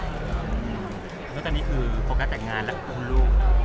แล้วก็ตอนนี้คือพวกเกิดแต่งงานและคุณลูก